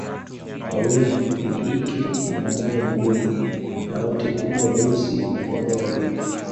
Wawili ni ike na mmoja ni dume na wote huwa weusi na kondoo wawili